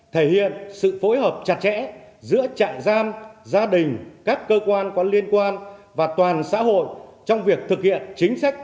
thể hiện sự phối hợp chặt chẽ giữa trại giam gia đình các cơ quan có liên quan và toàn xã hội trong việc thực hiện chính sách